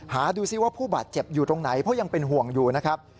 ดูสิว่าผู้บาดเจ็บอยู่ตรงไหนเพราะยังเป็นห่วงอยู่นะครับ